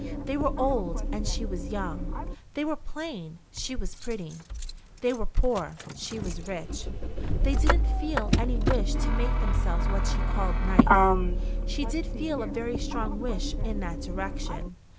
They were old and she was young. They were plain; she was pretty. They were poor; she was rich. They didn't feel any wish to make themselves what she called "nice." She did feel a very strong wish in that direction.